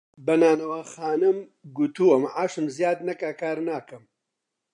بە نانەواخانەم گوتووە مەعاشم زیاد نەکا کار ناکەم